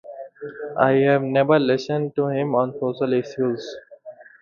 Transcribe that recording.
I have never listened to him on social issues.